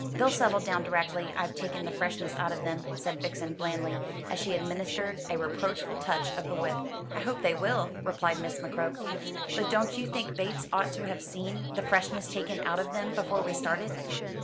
"They'll settle down directly I've taken the freshness out of them," said Vixen, blandly, as she administered a reproachful touch of the whip. "I hope they will," replied Miss McCroke; "but don't you think Bates ought to have seen the freshness taken out of them before we started?"